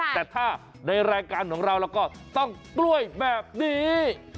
แต่ถ้าในรายการของเราเราก็ต้องกล้วยแบบนี้